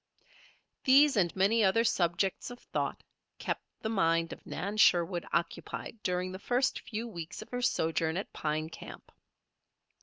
These, and many other subjects of thought, kept the mind of Nan Sherwood occupied during the first few weeks of her sojourn at Pine Camp.